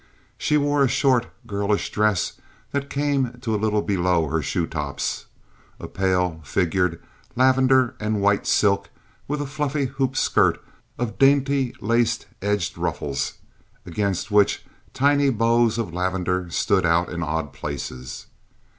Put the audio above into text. She wore a short, girlish dress that came to a little below her shoe tops, a pale figured lavender and white silk, with a fluffy hoop skirt of dainty laced edged ruffles, against which tiny bows of lavender stood out in odd places.